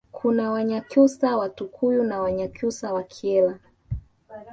Kuna Wanyakyusa wa Tukuyu na Wanyakyusa wa Kyela